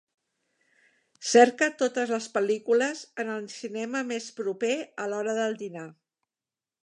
Cerca totes les pel·lícules en el cinema més proper a l'hora del dinar.